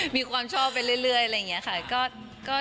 มีความชอบไปเรื่อยอะไรอย่างนี้ค่ะ